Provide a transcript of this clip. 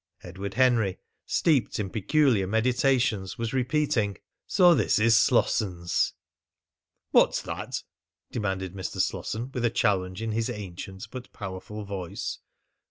Edward Henry, steeped in peculiar meditations, was repeating: "So this is Slosson's!" "What's that?" demanded Mr. Slosson with a challenge in his ancient but powerful voice.